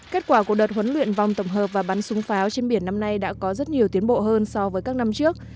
kết quả của đợt huấn luyện vòng tổng hợp và bắn súng pháo trên biển năm nay đã có rất nhiều tiến bộ hơn so với các năm trước